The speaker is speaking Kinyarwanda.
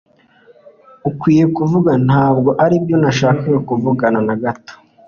Ukwiye kuvuga: "Ntabwo aribyo nashakaga kuvuga na gato.